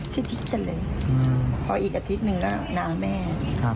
โปรดติดตามตอนต่อไป